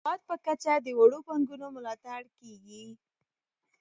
د هیواد په کچه د وړو پانګونو ملاتړ کیږي.